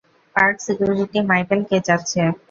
Park security Michael কে চাচ্ছে।